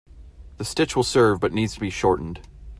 The stitch will serve but needs to be shortened.